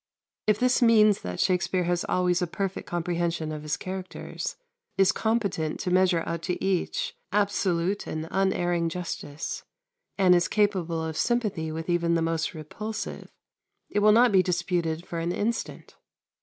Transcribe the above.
If this means that Shakespere has always a perfect comprehension of his characters, is competent to measure out to each absolute and unerring justice, and is capable of sympathy with even the most repulsive, it will not be disputed for an instant.